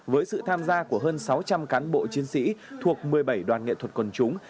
với sự tham gia của hơn sáu trăm linh cán bộ chiến sĩ thuộc một mươi bảy đoàn nghệ thuật quần chúng